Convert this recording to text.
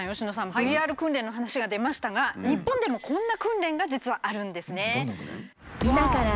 ＶＲ訓練の話が出ましたが日本でもこんな訓練が実はあるんですね。